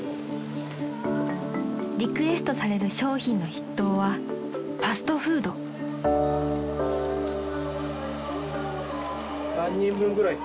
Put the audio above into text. ［リクエストされる商品の筆頭はファストフード］何人分ぐらい？